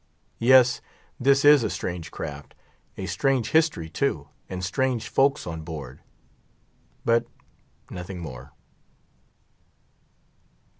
Yes, this is a strange craft; a strange history, too, and strange folks on board. But—nothing more.